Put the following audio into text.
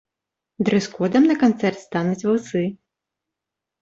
Дрэс-кодам на канцэрт стануць вусы.